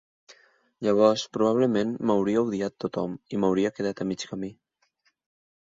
Llavors probablement m'hauria odiat tothom i m'hauria quedat a mig camí.